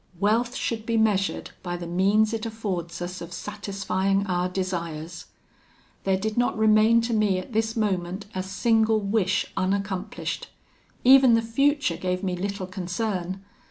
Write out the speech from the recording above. Wealth should be measured by the means it affords us of satisfying our desires. There did not remain to me at this moment a single wish unaccomplished. Even the future gave me little concern.